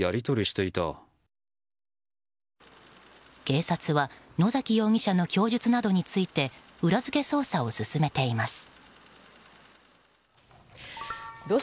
警察は野崎容疑者の供述などについて裏付け捜査を進めています。